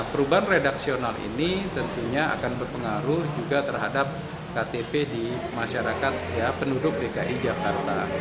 perubahan redaksional ini tentunya akan berpengaruh juga terhadap ktp di masyarakat penduduk dki jakarta